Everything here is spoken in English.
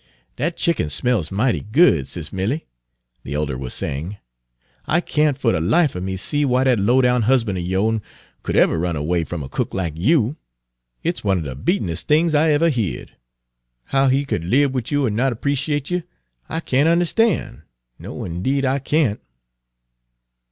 "Dat chicken smells mighty good, Sis' Milly," the elder was saying; "I can't fer de life er me see why dat low down husban' er yo'n could ever run away f'm a cook like you. It's one er de beatenis' things I ever heared. How he could lib wid you an' not 'preciate you I can't understan', no indeed I can't."